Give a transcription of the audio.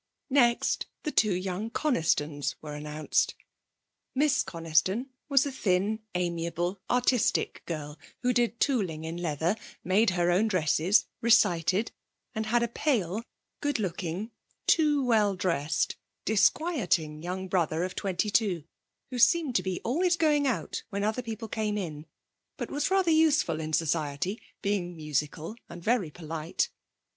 Next the two young Conistons were announced. Miss Coniston was a thin, amiable, artistic girl, who did tooling in leather, made her own dresses, recited, and had a pale, good looking, too well dressed, disquieting young brother of twenty two, who seemed to be always going out when other people came in, but was rather useful in society, being musical and very polite.